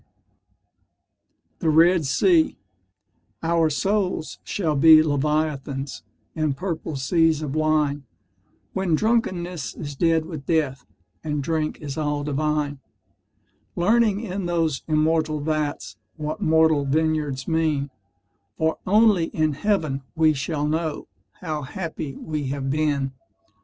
THE RED SEA Our souls shall be Leviathans In purple seas of wine When drunkenness is dead with death, And drink is all divine; Learning in those immortal vats What mortal vineyards mean; For only in heaven we shall know How happy we have been.